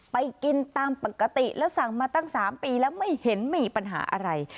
ไปกินตามปกติแล้วสั่งมาตั้ง๓ปีแล้วไม่เห็นมีปัญหาอะไร